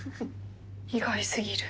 意外すぎる。